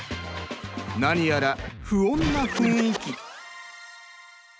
何やら不穏な雰囲気。